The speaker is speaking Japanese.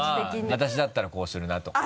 私だったらこうするなとか？